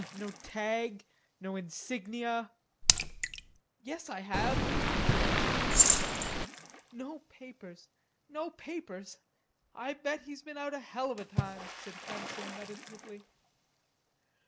"No tag, no insignia." "Yes, I have, infantry." "No papers.... I bet he's been out a hell of a time," said Handsome meditatively.